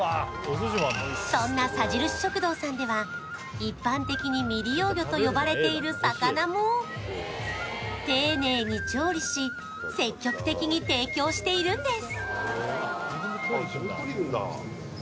そんな、さじるし食堂さんでは、一般的に未利用魚と呼ばれている魚も丁寧に調理し、積極的に提供しているんです。